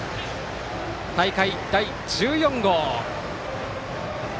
大会第１４号！